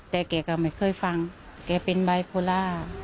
แต่แกก็ไม่เคยฟังแกเป็นไบโพล่า